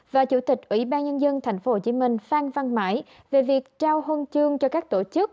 và chủ tịch ủy ban nhân dân tp hcm phan văn mãi về việc trao huân chương cho các tổ chức